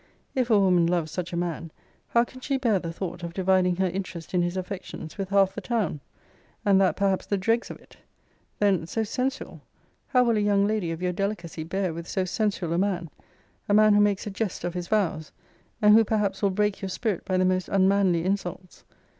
If a woman loves such a man, how can she bear the thought of dividing her interest in his affections with half the town, and that perhaps the dregs of it? Then so sensual! How will a young lady of your delicacy bear with so sensual a man? a man who makes a jest of his vows? and who perhaps will break your spirit by the most unmanly insults.